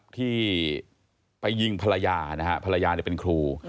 ที่ไปยิงภรรยานะฮะภรรยาเป็นครู